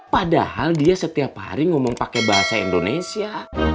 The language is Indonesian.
padahal dia setiap hari ngomong pakai bahasa indonesia